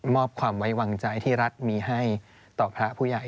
มอบความไว้วางใจที่รัฐมีให้ต่อพระผู้ใหญ่